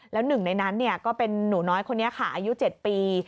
แล้ว๑ในนั้นเนี่ยก็เป็นหนูน้อยคนนี้ค่ะอายุ๗ปี